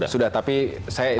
sudah tapi saya itu